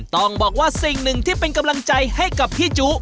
ต้องบอกว่าสิ่งหนึ่งที่เป็นกำลังใจให้กับพี่จุ